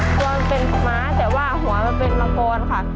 ตัวเป็นม้าแต่ว่าหัวเป็นลงโกนค่ะ